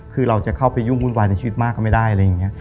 คือเราจะเข้าไปยุ่งวุ่นวายในชีวิตมากก็ไม่ได้อะไรอย่างนี้